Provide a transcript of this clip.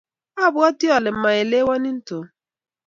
abwatii ale maelewanin Tom.